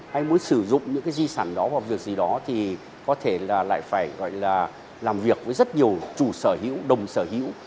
hay muốn sử dụng những cái di sản đó vào việc gì đó thì có thể là lại phải gọi là làm việc với rất nhiều chủ sở hữu đồng sở hữu